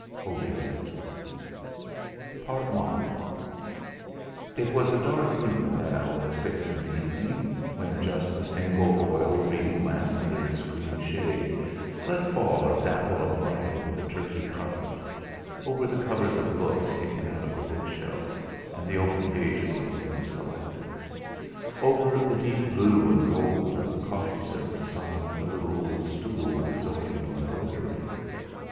HOLY WRIT. It was a dark room at that hour of six in the evening, when just the single oil reading lamp under its green shade let fall a dapple of light over the Turkey carpet; over the covers of books taken out of the bookshelves, and the open pages of the one selected; over the deep blue and gold of the coffee service on the little old stool with its Oriental embroidery.